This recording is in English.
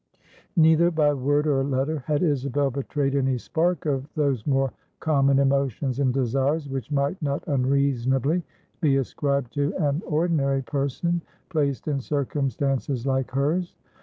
Neither by word or letter had Isabel betrayed any spark of those more common emotions and desires which might not unreasonably be ascribed to an ordinary person placed in circumstances like hers.